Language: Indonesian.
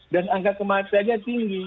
dan angka kematiannya tinggi